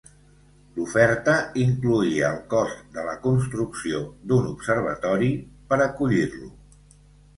L'oferta incloïa el cost de la construcció d'un observatori per acollir-lo.